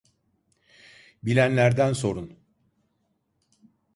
Bilenlerden sorun.